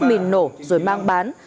mìn nổ rồi mang bán